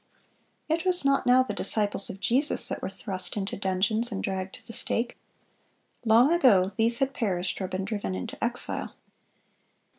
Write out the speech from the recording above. It was not now the disciples of Jesus that were thrust into dungeons and dragged to the stake. Long ago these had perished or been driven into exile.